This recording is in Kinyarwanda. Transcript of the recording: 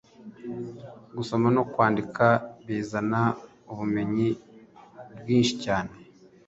Gusoma no kwandika Bizana ubumenyi bwinshi cyane